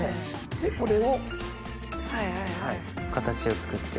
でこれを形を作って。